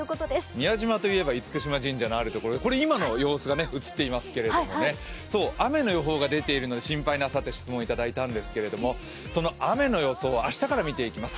宮島といえば厳島神社のあるところですがこれは今の様子が映っていますけども、雨の予報が出ているので心配なさって質問いただいたんですけれども、雨の予想を明日から見ていきます。